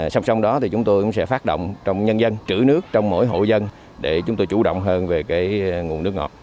song song đó thì chúng tôi cũng sẽ phát động trong nhân dân trữ nước trong mỗi hộ dân để chúng tôi chủ động hơn về nguồn nước ngọt